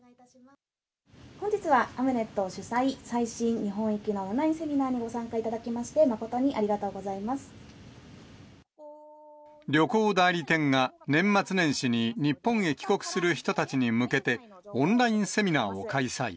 本日はアムネット主催、最新日本行きのオンラインセミナーにご参加いただきまして、旅行代理店が、年末年始に日本へ帰国する人たちに向けて、オンラインセミナーを開催。